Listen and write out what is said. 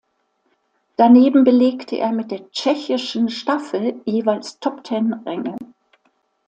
Daneben belegte er mit der tschechischen Staffel jeweils Top-Ten-Ränge.